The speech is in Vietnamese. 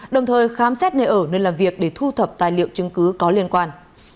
đồng thời khám xét nơi ở nơi làm việc để thu thập tài liệu chứng cứ có liên quan